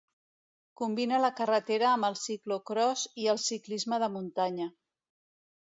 Combina la carretera amb el ciclocròs i el ciclisme de muntanya.